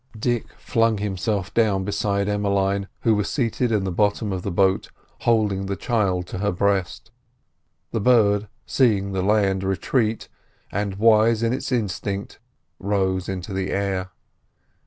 Dick flung himself down beside Emmeline, who was seated in the bottom of the boat holding the child to her breast. The bird, seeing the land retreat, and wise in its instinct, rose into the air.